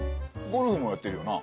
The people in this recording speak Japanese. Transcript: ゴルフもやってるよな？